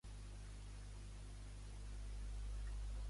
Thomas O. Selfridge al comandament.